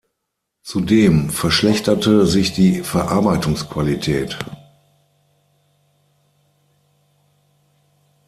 Zudem verschlechterte sich die Verarbeitungsqualität.